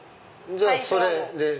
じゃあそれで。